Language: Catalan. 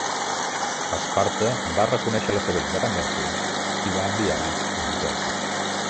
Esparta va reconèixer la seva independència i va enviar-hi un exèrcit.